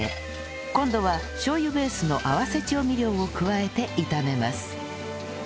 今度はしょう油ベースの合わせ調味料を加えて炒めます